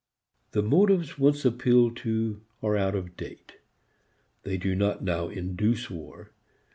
The motives once appealed to are out of date; they do not now induce war.